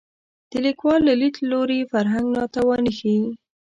د لیکوال له لید لوري فرهنګ ناتواني ښيي